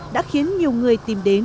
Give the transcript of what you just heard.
đã khiến nhiều người tìm đến